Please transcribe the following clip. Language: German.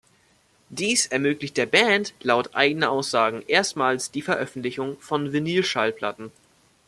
Dies ermöglicht der Band laut eigener Aussage erstmals die Veröffentlichung von Vinylschallplatten.